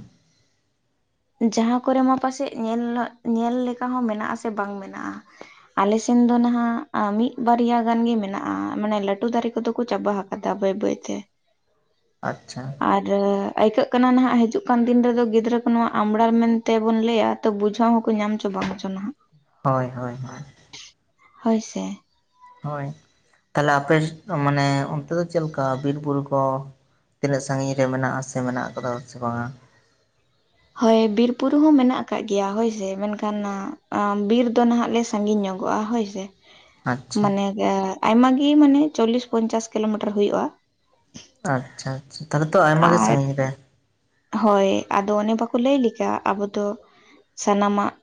ᱡᱟᱦᱟᱸ ᱠᱚᱨᱮ ᱢᱟ ᱯᱟᱥᱮᱡ ᱧᱮᱞ ᱧᱮᱞ ᱞᱮᱠᱟ ᱦᱚᱸ ᱢᱮᱱᱟᱜ ᱟᱥᱮ ᱵᱟᱝ ᱢᱮᱱᱟᱜᱼᱟ᱾ ᱟᱞᱮ ᱥᱮᱱ ᱫᱚ ᱱᱟᱦᱟᱜ ᱢᱤᱫ ᱵᱟᱨᱭᱟ ᱜᱟᱱ ᱜᱮ ᱢᱮᱱᱟᱜᱼᱟ ᱢᱟᱱᱮ ᱞᱟᱹᱴᱩ ᱫᱟᱨᱮ ᱠᱚᱫᱚ ᱠᱚ ᱪᱟᱵᱟ ᱦᱟᱠᱼᱼ ᱟᱫᱟ ᱵᱟᱭᱵᱟᱭ ᱛᱮ᱾ ᱟᱪᱪᱷᱟ᱾ ᱟᱹᱭᱠᱟᱹᱜ ᱠᱟᱱᱟ ᱱᱟᱦᱟᱜ ᱦᱤᱡᱩᱜ ᱠᱟᱱ ᱫᱤᱱ ᱨᱮᱫᱚ ᱜᱤᱫᱽᱨᱟᱹᱼᱼ ᱱᱚᱣᱟ ᱟᱢᱲᱟᱲ ᱢᱮᱱᱛᱮ ᱵᱚᱱ ᱞᱟᱹᱭᱟ ᱛᱚ ᱵᱩᱡᱷᱟᱹᱣ ᱦᱚᱸᱠᱚ ᱧᱟᱢ ᱪᱚ ᱵᱟᱝ ᱦᱚᱪᱚ ᱱᱟᱦᱟᱜ᱾ ᱦᱳᱭ ᱦᱳᱭ ᱦᱳᱭ᱾ ᱦᱚᱭ ᱥᱮ᱾ ᱦᱳᱭ ᱛᱟᱦᱞᱮ ᱟᱯᱮ ᱢᱟᱱᱮ ᱚᱱᱛᱮ ᱫᱚ ᱪᱮᱫ ᱞᱮᱠᱟ ᱵᱤᱨᱵᱩᱨᱩ ᱠᱚ? ᱛᱤᱱᱟᱹᱜ ᱥᱟᱺᱜᱤᱧ ᱨᱮ ᱢᱮᱱᱟᱜᱼᱟ ᱥᱮ ᱢᱮᱱᱟᱜ ᱟᱠᱟᱫᱟ ᱥᱮ ᱵᱟᱝᱟ? ᱦᱳᱭ ᱵᱤᱨ ᱵᱩᱨᱩ ᱦᱚᱸ ᱢᱮᱱᱟᱜ ᱟᱠᱟᱜ ᱜᱮᱭᱟ ᱦᱳᱭ ᱥᱮ ᱢᱮᱱᱠᱷᱟᱱ ᱵᱤᱨ ᱫᱚ ᱱᱟᱦᱟᱜ ᱞᱮᱼᱼ ᱥᱟᱺᱜᱤᱧ ᱧᱚᱜᱚᱜᱼᱟ ᱦᱳᱭ ᱥᱮᱼᱼ ᱟᱪᱪᱷᱟ ᱢᱟᱱᱮ ᱜᱟ ᱟᱭᱢᱟ ᱜᱮ ᱢᱟᱱᱮ ᱪᱚᱞᱤᱥ ᱯᱚᱧᱪᱟᱥ ᱠᱤᱞᱳᱢᱤᱴᱟᱨ ᱦᱩᱭᱩᱜᱼᱟ᱾ ᱟᱪᱪᱷᱟ ᱟᱪᱷᱟ ᱛᱟᱦᱚᱞᱮ ᱛᱚ ᱟᱭᱢᱟ ᱜᱮ ᱟᱨ ᱥᱟᱺᱜᱤᱧ ᱨᱮ᱾ ᱦᱳᱭ ᱟᱫᱚ ᱚᱱᱮ ᱵᱟᱠᱚ ᱞᱟᱹᱭ ᱞᱮᱠᱟ ᱟᱵᱚ ᱫᱚ ᱥᱟᱱᱟᱢᱟᱜᱼᱼ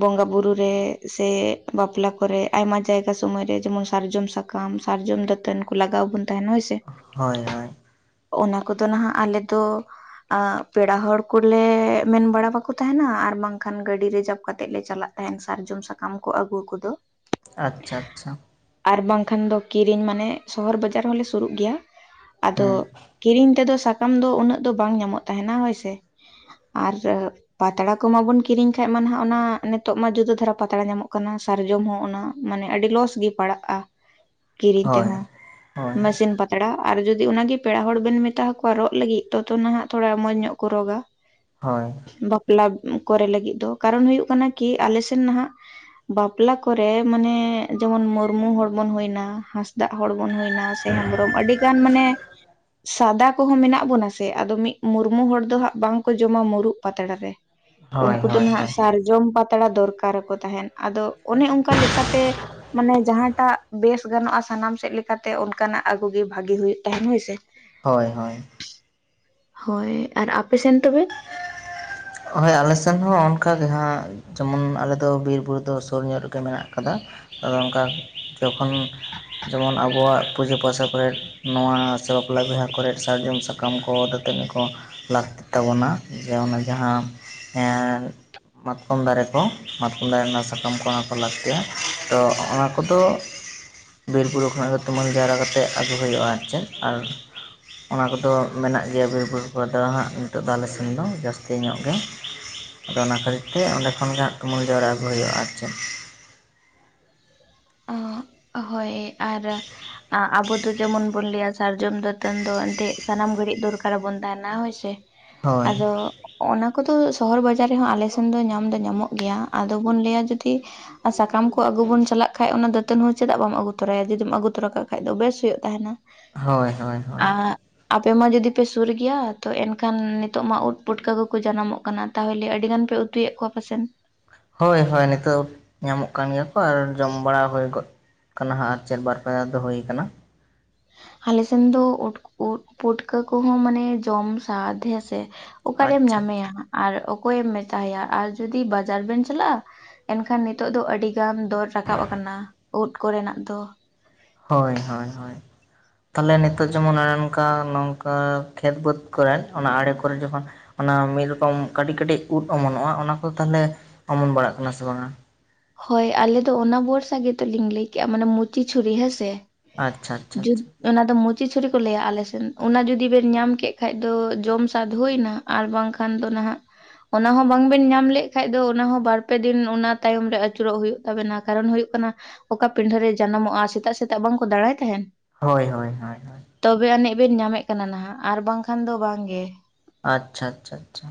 ᱵᱚᱸᱜᱟ ᱵᱩᱨᱩ ᱨᱮ ᱥᱮ ᱵᱟᱯᱞᱟ ᱠᱚᱨᱮ ᱟᱭᱢᱟ ᱡᱟᱭᱜᱟ ᱥᱩᱢᱚᱭ ᱨᱮ ᱡᱮᱢᱚᱱ ᱥᱟᱨᱡᱚᱢ ᱥᱟᱠᱼᱼ ᱥᱟᱠᱟᱢ ᱥᱟᱨᱡᱚᱢ ᱫᱟᱹᱛᱟᱹᱱ ᱠᱚ ᱞᱟᱜᱟᱣ ᱵᱚᱱ ᱛᱟᱦᱮᱱᱟ ᱦᱳᱭ ᱥᱮ᱾ ᱦᱳᱭ ᱦᱳᱭ᱾ ᱚᱱᱟ ᱠᱚᱫᱚ ᱱᱟᱦᱟᱜ ᱟᱞᱮ ᱫᱚ ᱯᱮᱲᱟ ᱦᱚᱲ ᱠᱚ, ᱠᱚ ᱞᱮ ᱢᱮᱱ ᱵᱟᱲᱟ ᱵᱟᱠᱚ ᱛᱟᱦᱮᱱᱟ ᱟᱨ ᱵᱟᱝᱠᱷᱟᱱ ᱜᱟᱹᱰᱤ ᱨᱤᱡᱟᱵᱷ ᱠᱟᱛᱮᱫ ᱞᱮ ᱪᱟᱞᱟᱜ ᱛᱟᱦᱮᱱ ᱥᱟᱨᱡᱚᱢ ᱥᱟᱠᱟᱢ, ᱥᱟᱠᱟᱢ ᱠᱚ ᱟᱹᱜᱩ ᱠᱚᱫᱚ᱾ ᱟᱪᱪᱷᱟ ᱟᱪᱪᱷᱟ᱾ ᱟᱨ ᱵᱟᱝᱠᱷᱟᱱ ᱫᱚ ᱠᱤᱨᱤᱧ ᱢᱟᱱᱮ ᱥᱚᱦᱚᱨ ᱵᱟᱡᱟᱨ ᱦᱚᱸᱞᱮ ᱥᱩᱨᱩᱜ ᱜᱮᱭᱟ᱾ ᱟᱫᱚ ᱦᱮᱸ ᱠᱤᱨᱤᱧ ᱛᱮᱫᱚ ᱥᱟᱠᱟᱢ ᱫᱚ ᱩᱱᱟᱹᱜ ᱫᱚ ᱵᱟᱝ ᱧᱟᱢᱚᱜ ᱛᱟᱦᱮᱱᱟ ᱦᱳᱭᱥᱮ, ᱟᱨᱼᱼ ᱯᱟᱛᱲᱟ ᱠᱚᱢᱟᱵᱚᱱ ᱠᱤᱨᱤᱧ ᱠᱷᱟᱡ ᱢᱟ ᱱᱟᱦᱟᱜ ᱚᱱᱟ ᱱᱤᱛᱚᱜ ᱢᱟ ᱡᱩᱫᱟᱹ ᱫᱷᱟᱨᱟ ᱯᱟᱛᱲᱟ ᱧᱟᱢᱚᱜ ᱠᱟᱱᱟ ᱥᱟᱨᱡᱚᱢ ᱦᱚᱸ ᱚᱱᱟ, ᱢᱟᱱᱮ ᱟᱹᱰᱤ ᱞᱚᱥ ᱜᱤ ᱯᱟᱲᱟᱜᱼᱟ ᱠᱤᱨᱤᱧ ᱦᱳᱭ ᱛᱮᱦᱚᱸ ᱦᱳᱭ ᱢᱮᱥᱤᱱ ᱯᱟᱛᱼᱼ ᱯᱟᱛᱲᱟ ᱟᱨ ᱡᱩᱫᱤ ᱚᱱᱟᱜᱮ ᱯᱮᱲᱟ ᱦᱚᱲ ᱵᱮᱱ ᱢᱮᱛᱟᱠᱚᱣᱟ ᱨᱚᱜ ᱞᱟᱹᱜᱤᱫ ᱛᱚ ᱱᱟᱦᱟᱜ ᱛᱷᱚᱲᱟ ᱢᱚᱸᱡᱽ ᱧᱚᱜ ᱠᱚ ᱨᱚᱜᱟ᱾ ᱦᱳᱭ᱾ ᱵᱟᱯᱞᱟ ᱠᱚᱨᱮ ᱞᱟᱹᱜᱤᱫ ᱫᱚ ᱠᱟᱨᱚᱱ ᱦᱩᱭᱩᱜ ᱠᱟᱱᱟ ᱠᱤ ᱟᱞᱮ ᱥᱮᱱ ᱱᱟᱦᱟᱜᱼᱼ ᱵᱟᱯᱞᱟ ᱠᱚᱨᱮ ᱢᱟᱱᱮ ᱡᱮᱢᱚᱱ ᱢᱩᱨᱢᱩ ᱦᱚᱲ ᱵᱚᱱ ᱦᱩᱭᱱᱟ ᱦᱟᱸᱥᱫᱟᱜ ᱦᱚᱲ ᱵᱚᱱ ᱦᱩᱭ ᱱᱟ, ᱥᱮ ᱦᱮᱢᱵᱨᱚᱢ ᱟᱹᱰᱤ, ᱜᱟᱱ ᱢᱟᱱᱮ ᱥᱟᱫᱟ ᱠᱚᱦᱚᱸ ᱢᱮᱱᱟᱜ ᱵᱚᱱᱟ ᱥᱮ ᱟᱫᱚ ᱢᱤᱫ ᱢᱩᱨᱢᱩ ᱦᱚᱲ ᱫᱚ ᱦᱟᱸᱜ ᱵᱟᱝᱼᱼ ᱠᱚ ᱡᱚᱢᱟ ᱢᱩᱨᱩᱩᱜ ᱯᱟᱛᱲᱟ ᱨᱮ ᱦᱳᱭ ᱦᱳᱭ ᱩᱱᱠᱩ ᱫᱚ ᱦᱳᱭ ᱱᱟᱦᱟᱜ ᱦᱳᱭ ᱥᱟᱨᱡᱚᱢ ᱯᱟᱛᱲᱟ ᱫᱚᱨᱠᱟᱨᱟᱠᱚ ᱛᱟᱦᱮᱸᱱ᱾ ᱟᱫᱚ ᱚᱱᱮ ᱚᱱᱠᱟ ᱞᱮᱠᱟᱛᱮ ᱢᱟᱱᱮ ᱡᱟᱦᱟᱸᱴᱟᱜ᱾ ᱵᱮᱥ ᱜᱟᱱᱚᱜᱼᱟ ᱥᱟᱱᱟᱢ ᱥᱮᱫ ᱞᱮᱠᱟᱛᱮ ᱚᱱᱠᱟᱱᱟᱜ ᱟᱹᱜᱩ ᱜᱤ ᱵᱷᱟᱜᱤ ᱦᱩᱭᱩᱜ ᱛᱟᱦᱮᱱ ᱦᱳᱭᱥᱮ᱾ ᱦᱳᱭ ᱦᱳᱭ᱾ ᱦᱳᱭ ᱟᱨ ᱟᱯᱮᱥᱮᱱ ᱛᱚᱵᱮ? ᱦᱳᱭ ᱟᱞᱮᱥᱮᱱ ᱦᱚᱸ ᱚᱱᱠᱟ ᱜᱮ ᱦᱟᱸᱜ᱾ ᱡᱮᱢᱚᱱ ᱟᱞᱮᱫᱚ ᱵᱤᱨ ᱵᱩᱨᱩ ᱫᱚ ᱥᱩᱨ ᱧᱚᱜ ᱨᱮᱜᱮ ᱢᱮᱱᱟᱜ ᱠᱟᱫᱟ ᱟᱫᱚ ᱚᱱᱠᱟᱼᱼ ᱡᱚᱠᱷᱚᱱ ᱡᱮᱢᱚᱱ ᱟᱵᱚᱣᱟᱜᱼᱼ ᱯᱩᱡᱟᱹ ᱯᱟᱥᱟ ᱠᱚᱨᱮᱫ, ᱱᱚᱣᱟ ᱥᱮ ᱵᱟᱯᱞᱟ ᱵᱤᱦᱟᱹ ᱠᱚᱨᱮᱫ ᱥᱟᱨᱡᱚᱢ ᱥᱟᱠᱟᱢ ᱠᱚ, ᱫᱟᱹᱛᱟᱹᱱᱤ ᱠᱚ, ᱞᱟᱹᱠᱛᱤᱜ ᱛᱟᱵᱚᱱᱟ ᱡᱮ ᱚᱱᱟ ᱡᱟᱦᱟᱸ ᱮ ᱢᱟᱛᱠᱚᱢ ᱫᱟᱨᱮ ᱠᱚ ᱢᱟᱛᱠᱚᱢ ᱫᱟᱨᱮ ᱨᱮᱱᱟᱜ ᱥᱟᱠᱟᱢ ᱠᱚ᱾ ᱚᱱᱟ ᱠᱚ ᱞᱟᱹᱠᱛᱤᱜᱤᱭᱟ ᱛᱚ ᱚᱱᱟ ᱠᱚᱫᱚ ᱵᱤᱨᱵᱩᱨᱩ ᱠᱷᱚᱱᱟᱜ ᱜᱮ ᱛᱩᱢᱟᱹᱞ ᱡᱟᱣᱨᱟ ᱠᱟᱛᱮᱫ ᱟᱹᱜᱩ ᱦᱩᱭᱩᱜᱼᱟ ᱟᱨ ᱪᱮᱫ ᱟᱨ ᱚᱱᱟ ᱠᱚᱫᱚ ᱢᱮᱱᱟᱜ ᱜᱮᱭᱟ ᱵᱤᱨᱼᱵᱩᱨᱩ ᱠᱚᱨᱮᱫᱚ ᱦᱟᱸᱜ᱾ ᱱᱤᱛᱚᱜ ᱫᱚ ᱟᱞᱮ ᱥᱮᱱ ᱫᱚ ᱡᱟᱹᱥᱛᱤ ᱧᱚᱜ ᱜᱮ ᱟᱫᱚ ᱚᱱᱟ ᱠᱷᱟᱹᱛᱤᱨ ᱛᱮ ᱚᱸᱰᱮ ᱠᱷᱚᱱ ᱜᱮ ᱛᱩᱢᱟᱹᱞ ᱡᱟᱣᱨᱟ ᱟᱹᱜᱩ ᱦᱩᱭᱩᱜᱼᱟ ᱟᱨ ᱪᱮᱫ᱾ ᱦᱳᱭ ᱟᱨ ᱟ ᱟᱵᱚ ᱫᱚ ᱡᱮᱢᱚᱱ ᱵᱚᱱ ᱞᱟᱹᱭᱟ ᱥᱟᱨᱡᱚᱢ ᱫᱟᱹ ᱛᱟᱹᱱ ᱫᱚ ᱮᱱᱛᱮᱫ ᱥᱟᱱᱟᱢ ᱜᱷᱟᱹᱲᱤᱡ ᱫᱚᱨᱠᱟᱨᱟᱵᱚᱱ ᱛᱟᱦᱮᱱᱟ ᱦᱳᱭ ᱥᱮ, ᱦᱳᱭ ᱟᱫᱚ ᱚᱱᱟ ᱠᱚᱫᱚ ᱥᱚᱦᱚᱨ ᱵᱟᱡᱟᱨ ᱨᱮᱦᱚᱸ ᱟᱞᱮ ᱥᱮᱱ ᱫᱚ ᱧᱟᱢ ᱫᱚ ᱧᱟᱢᱚᱜ ᱜᱮᱭᱟ ᱟᱫᱚ ᱵᱚᱱ ᱞᱟᱹᱭᱟ ᱡᱩᱫᱤ ᱥᱟᱠᱟᱢ ᱠᱚ ᱟᱹᱜᱩ ᱵᱚᱱ ᱪᱟᱞᱟᱜ ᱠᱷᱟᱡ ᱚᱱᱟ ᱫᱟᱹᱛᱟᱹᱱ ᱦᱚᱸ ᱪᱮᱫᱟᱜ ᱵᱟᱢ ᱟᱹᱜᱩ ᱛᱚᱨᱟᱭᱟ ᱡᱩᱫᱤᱢ ᱟᱹᱜᱩ ᱛᱚᱨᱟ ᱠᱟᱜ ᱠᱷᱟᱱ ᱫᱚ ᱵᱮᱥ ᱦᱩᱭᱩᱜ ᱛᱟᱦᱮᱱᱟ᱾ ᱦᱳᱭ, ᱦᱳᱭ, ᱦᱳᱭ, ᱟᱯᱮ ᱢᱟ ᱡᱩᱫᱤ ᱯᱮ ᱥᱩᱨ ᱜᱮᱭᱟ ᱛᱚ ᱮᱱᱠᱷᱟᱱ ᱱᱤᱛᱚᱜ ᱢᱟ ᱩᱫ ᱯᱩᱴᱠᱟᱹ ᱠᱚᱠᱚ ᱡᱟᱱᱟᱢᱚᱜ ᱠᱟᱱᱟ᱾ ᱛᱟᱦᱚᱞᱮ ᱟᱹᱰᱤ ᱜᱟᱱ ᱯᱮ ᱩᱛᱩᱭᱮᱫ ᱠᱚᱣᱟ ᱯᱟᱥᱮᱱ? ᱦᱳᱭ, ᱦᱳᱭ, ᱱᱤᱛᱚᱜ ᱧᱟᱢᱚᱜ ᱠᱟᱱ ᱜᱮᱭᱟ ᱠᱚ ᱟᱨ ᱡᱚᱢ ᱵᱟᱲᱟ ᱦᱳᱭ ᱜᱚᱫ ᱠᱟᱱᱟ ᱦᱟᱸᱜ ᱟᱨ ᱪᱮᱫ ᱵᱟᱨᱯᱮ ᱫᱷᱟᱣ ᱦᱳᱭ ᱟᱠᱟᱱᱟ᱾ ᱟᱞᱮ ᱥᱮᱱ ᱫᱚ ᱩᱴ ᱩᱫ ᱯᱩᱴᱠᱟᱹ ᱠᱚᱦᱚᱸ ᱢᱟᱱᱮ ᱡᱚᱢ ᱥᱟᱫ ᱦᱮᱸ ᱥᱮ᱾ ᱚᱠᱟᱨᱮᱢ ᱟᱪᱪᱷᱟ ᱟᱪᱪᱷᱟ ᱧᱟᱢᱮᱭᱟ ᱟᱨ ᱚᱠᱚᱭᱮᱢ ᱢᱮᱛᱟᱭᱟ, ᱟᱨ ᱡᱩᱫᱤ ᱵᱟᱡᱟᱨ ᱵᱮᱱ ᱪᱟᱞᱟᱜᱼᱟ? ᱮᱱᱠᱷᱟᱱ ᱱᱤᱛᱚᱜ ᱫᱚ ᱟᱹᱰᱤ ᱜᱟᱱ ᱫᱚᱨ ᱨᱟᱠᱟᱵ ᱟᱠᱟᱱᱟ ᱩᱫ ᱠᱚᱨᱮᱱᱟᱜ ᱫᱚ᱾ ᱦᱳᱭ, ᱦᱳᱭ, ᱦᱳᱭ, ᱛᱟᱦᱚᱞᱮ ᱱᱤᱛᱚᱜ ᱡᱮᱢᱚᱱ ᱚᱱᱮ ᱚᱱᱠᱟ ᱱᱚᱝᱠᱟ ᱠᱷᱮᱛ ᱵᱟᱹᱫᱽ ᱠᱚᱨᱮ ᱚᱱᱟ ᱟᱲᱮ ᱠᱚᱨᱮ ᱡᱚᱠᱷᱚᱱ ᱚᱱᱟ ᱢᱤᱫ ᱨᱚᱠᱚᱢ ᱠᱟᱹᱴᱤᱡ ᱠᱟᱹᱴᱤᱡ ᱩᱫ ᱚᱢᱚᱱᱚᱜᱼᱟ, ᱚᱱᱟ ᱠᱚᱫᱚ ᱛᱟᱦᱚᱞᱮ ᱚᱢᱚᱱ ᱵᱟᱲᱟᱜ ᱠᱟᱱᱟ ᱥᱮ ᱵᱟᱝ-ᱟ? ᱦᱳᱭ, ᱟᱞᱮ ᱫᱚ ᱚᱱᱟ ᱵᱚᱨᱥᱟ ᱜᱮᱛᱚᱞᱤᱧ ᱞᱟᱹᱭ ᱠᱮᱫᱼᱟ, ᱢᱟᱱᱮ ᱢᱩᱪᱤ ᱪᱷᱩᱨᱤ ᱦᱮᱸᱥᱮ? ᱟᱪᱪᱷᱟ, ᱟᱪᱪᱷᱟ, ᱡᱩᱫ ᱟᱪᱪᱷᱟ, ᱚᱱᱟ ᱫᱚ ᱢᱩᱪᱤ ᱪᱷᱩᱨᱤ ᱠᱚ ᱞᱟᱹᱭᱟ ᱟᱞᱮᱥᱮᱱ᱾ ᱚᱱᱟ ᱡᱩᱫᱤ ᱵᱮᱱ ᱧᱟᱢ ᱠᱮᱜ ᱠᱷᱟᱱ ᱫᱚ ᱡᱚᱢ ᱥᱟᱫᱷᱩᱭᱱᱟ, ᱟᱨ ᱵᱟᱝᱠᱷᱟᱱ ᱫᱚ ᱱᱟᱦᱟᱜ ᱚᱱᱟ ᱦᱚᱸ ᱵᱟᱝ ᱵᱮᱱ ᱧᱟᱢ ᱞᱮᱫ ᱠᱷᱟᱡ ᱫᱚ ᱚᱱᱟ ᱦᱚᱸ ᱵᱟᱨ ᱯᱮ ᱫᱤᱱ ᱚᱱᱟ ᱛᱟᱭᱚᱢ ᱨᱮ ᱟᱹᱪᱩᱨᱚᱜ ᱦᱩᱭᱩᱜ ᱛᱟᱵᱮᱱᱟ, ᱠᱟᱨᱚᱱ ᱦᱩᱭᱩᱜ ᱠᱟᱱᱟ ᱚᱠᱟ ᱯᱤᱰᱷᱟᱹ ᱨᱮ ᱡᱟᱱᱟᱢᱚᱜᱼᱟ᱾ ᱥᱮᱛᱟᱜ ᱥᱮᱛᱟᱜ ᱵᱟᱝᱠᱚ ᱫᱟᱬᱟᱭ ᱛᱟᱦᱮᱱ? ᱦᱳᱭ, ᱦᱳᱭ, ᱦᱳᱭ, ᱛᱚᱵᱮ ᱟᱹᱱᱤᱡ ᱵᱮᱱ ᱧᱟᱢᱮᱫ ᱠᱟᱱᱟ ᱱᱟᱦᱟᱜ, ᱟᱨ ᱵᱟᱝᱠᱷᱟᱱ ᱫᱚ ᱵᱟᱝ ᱜᱮ᱾ ᱟᱪᱪᱷᱟ, ᱟᱪᱪᱷᱟ, ᱟᱪᱪᱷᱟ,